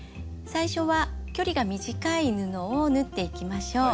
最初は距離が短い布を縫っていきましょう。